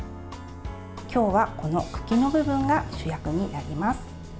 今日はこの茎の部分が主役になります。